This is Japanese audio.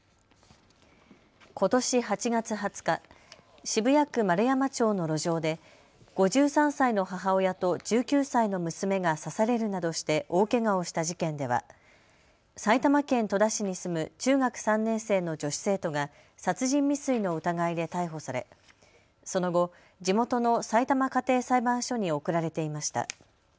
ことし８月２０日、渋谷区円山町の路上で５３歳の母親と１９歳の女が刺されるなどして大けがをした事件では埼玉県戸田市に住む中学３年生の女子生徒が殺人未遂の疑いで逮捕されその後、地元のさいたま家庭裁判所に送られていました。